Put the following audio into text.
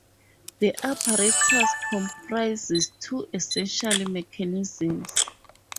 The apparatus comprises two essential mechanisms